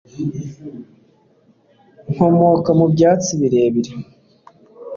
nkomoka mu byatsi birebire